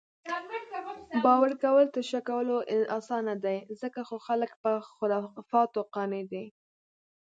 باؤر کؤل تر شک کؤلو اسانه دي، ځکه خو خلک پۀ خُرفاتو قانع دي